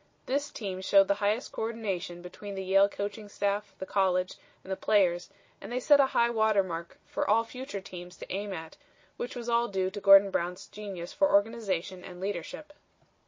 This team showed the highest co ordination between the Yale coaching staff, the college, and the players, and they set a high water mark for all future teams to aim at, which was all due to Gordon Brown's genius for organization and leadership."